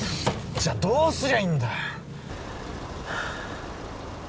じゃあどうすりゃいいんだ！